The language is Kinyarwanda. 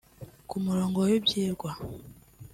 Ku murongo w’ibyigwa